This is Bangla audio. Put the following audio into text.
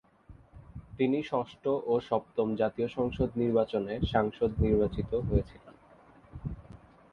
তিনি ষষ্ঠ ও সপ্তম জাতীয় সংসদ নির্বাচনে সাংসদ নির্বাচিত হয়েছিলেন।